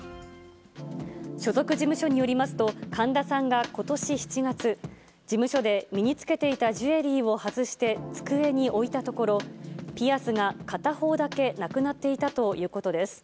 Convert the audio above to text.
所属事務所によりますと、神田さんがことし７月、事務所で身に着けていたジュエリーを外して机に置いたところ、ピアスが片方だけなくなっていたということです。